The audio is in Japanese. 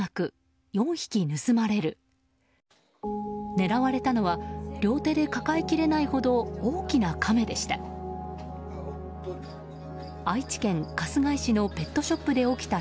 狙われたのは両手で抱えきれないほど大きなカメでした。